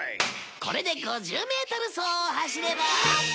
これで５０メートル走を走れば